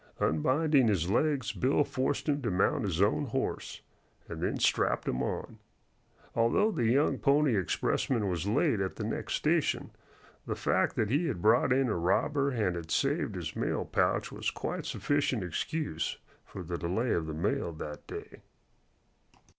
Unbinding his legs, Bill forced him to mount his own horse, and then strapped him on. Although the young Pony Expressman was late at the next station, the fact that he had brought in a robber and had saved his mail pouch was quite sufficient excuse for the delay of the mail that day.